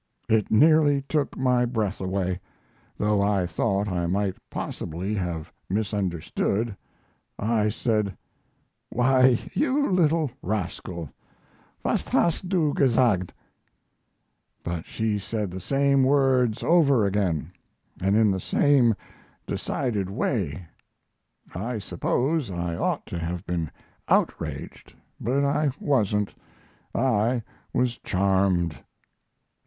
It nearly took my breath away, though I thought I might possibly have misunderstood. I said: "Why, you little rascal! Was hast du gesagt?" But she said the same words over again, and in the same decided way. I suppose I ought to have been outraged, but I wasn't; I was charmed.